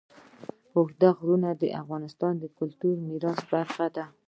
اوږده غرونه د افغانستان د کلتوري میراث برخه ده.